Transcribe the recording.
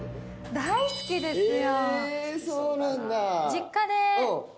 大好きですよ。